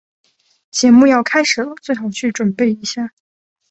节目要开始了，最好去准备一下。